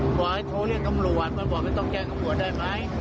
ขอให้โทรเรียกตำรวจว่าบอกไม่ต้องแจ้งตำรวจได้ไหม